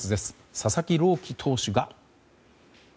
佐々木朗希投手が。